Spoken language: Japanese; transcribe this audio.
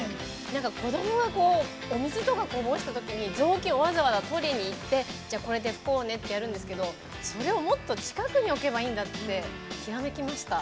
子供は、お水とかこぼしたときに雑巾をわざわざ取りに行って、じゃあ、これで拭こうねってやるんですけど、それをもっと近くに置けばいいんだって、ひらめきました。